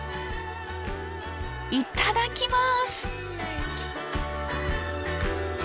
いただきます！